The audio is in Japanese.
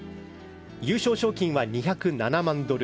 優勝賞金は２０７万ドル